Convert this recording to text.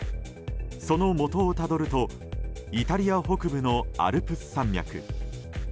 そのもとをたどるとイタリア北部のアルプス山脈。